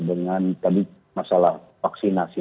dengan tadi masalah vaksinasi